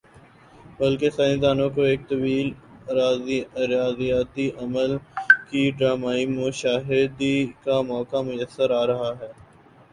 بلکہ سائنس دانوں کو ایک طویل ارضیاتی عمل کی ڈرامائی مشاہدی کا موقع میسر آرہا ہی۔